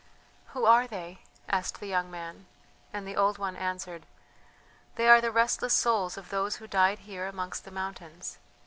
"Who are they?" asked the young man, and the old one answered: "They are the restless souls of those who died here amongst the mountains.